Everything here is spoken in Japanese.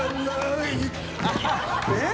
えっ？